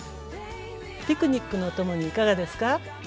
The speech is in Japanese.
ピクニックのお供にいかがですか？